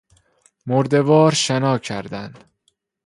مرده وار شنا کردن